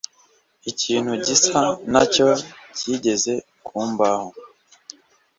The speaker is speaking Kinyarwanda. Ikintu gisa nacyo cyigeze kumbaho.